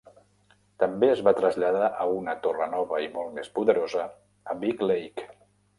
També es va traslladar a una torra nova i molt més poderosa a Big Lake.